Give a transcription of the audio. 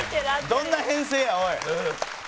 どんな編成やおい。